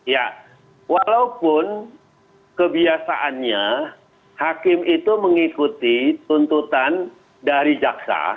ya walaupun kebiasaannya hakim itu mengikuti tuntutan dari jaksa